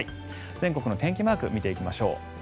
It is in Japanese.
全国の天気マークを見ていきましょう。